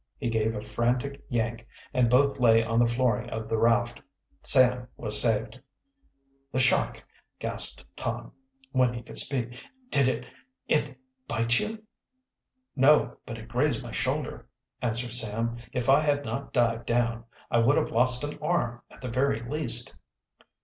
He gave a frantic yank, and both lay on the flooring of the raft. Sam was saved. "The shark!" gasped Tom, when he could speak. "Did it it bite you?" "No, but it grazed my shoulder," answered Sam. "If I had not dived down, I would have lost an arm at the very least."